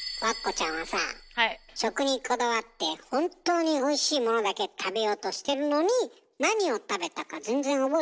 食にこだわって本当においしいものだけ食べようとしてるのに何を食べたか全然覚えてないんだって？